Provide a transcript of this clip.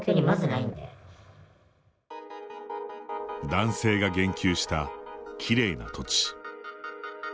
男性が言及したきれいな土地。